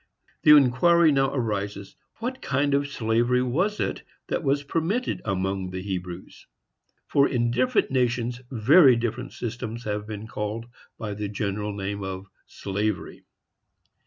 The inquiry now arises, What kind of slavery was it that was permitted among the Hebrews? for in different nations very different systems have been called by the general name of slavery.